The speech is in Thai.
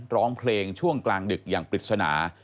ร้องเพลงช่วงกลางดึกอย่างปริศนา